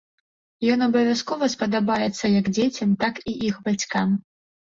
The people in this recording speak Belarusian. Ён абавязкова спадабаецца як дзецям, так і іх бацькам.